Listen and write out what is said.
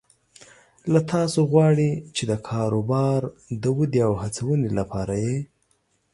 له تاسو غواړي چې د کاروبار د ودې او هڅونې لپاره یې